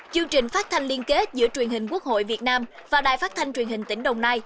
chương trình phát thanh liên kết giữa truyền hình quốc hội việt nam và đài phát thanh truyền hình tỉnh đồng nai